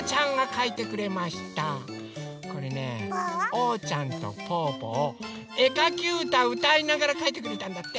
おうちゃんとぽぅぽをえかきうたうたいながらかいてくれたんだって。